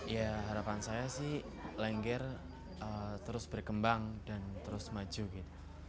ya harapan saya sih lengger terus berkembang dan terus maju gitu